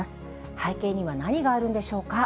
背景には何があるんでしょうか。